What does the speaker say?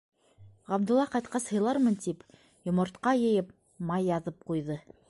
Ғабдулла ҡайтҡас һыйлармын тип, йомортҡа йыйып, май яҙып ҡуйҙы.